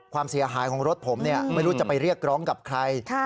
ความเสียหายของรถผมไม่รู้จะไปเรียกร้องกับใคร